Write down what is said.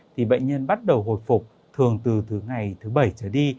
thì bệnh nhân bắt đầu hồi phục thường từ thứ ngày thứ bảy trở đi